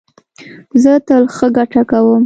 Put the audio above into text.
زه تل ښه ګټه کوم